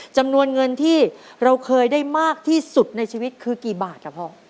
จำนวนเงินที่เราเคยได้มากที่สุดในชีวิตคือกี่บาทครับพ่อ